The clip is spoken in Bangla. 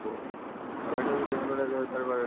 লাইট হাউজ ডিজাইন করা ছিল তাদের পারিবারিক পেশা।